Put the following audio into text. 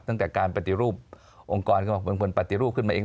ตั้งแต่การปฏิรูปองค์กรก็บอกเป็นคนปฏิรูปขึ้นมาเอง